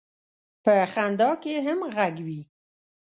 په خندا کې هم غږ وي.